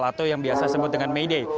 atau yang biasa disebut dengan may day